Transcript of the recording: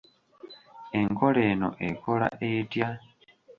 Enkola eno ekola etya?